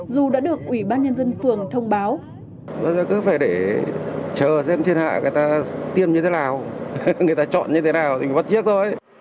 dù đã được ủy ban nhân dân phường thông báo